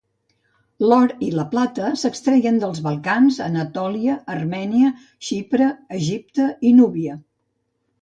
L'or i la plata s'extreien dels Balcans, Anatòlia, Armènia, Xipre, Egipte i Núbia.